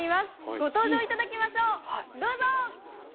ご登場いただきましょう。